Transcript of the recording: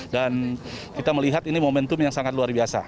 dan kita melihat ini momentum yang sangat luar biasa